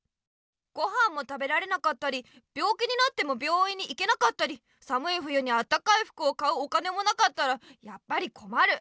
ごはんも食べられなかったりびょうきになってもびょういんに行けなかったりさむい冬にあったかいふくを買うお金もなかったらやっぱりこまる。